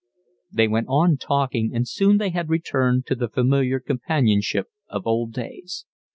They went on talking, and soon they had returned to the familiar companionship of old days.